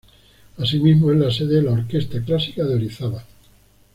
Asimismo es la sede de la Orquesta Clásica de Orizaba.